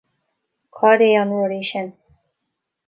Cad é an rud é sin